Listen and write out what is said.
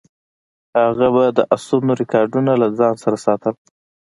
هغه به د اسونو ریکارډونه له ځان سره ساتل.